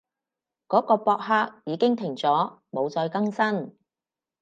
嗰個博客已經停咗，冇再更新